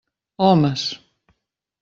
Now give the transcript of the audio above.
Homes!